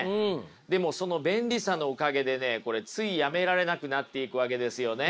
でもその便利さのおかげでねこれついやめられなくなっていくわけですよね。